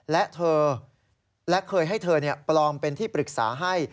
และเธอและเคยให้เธอปลอมเป็นที่ปรึกษาให้